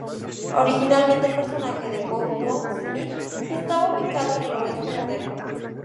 Originalmente, el personaje de Pow Wow Smith estaba ubicado en el oeste moderno.